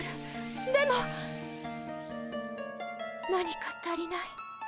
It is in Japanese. でも何か足りない。